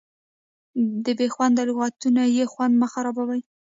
په بې خوندو لغتونو یې خوند مه خرابوئ.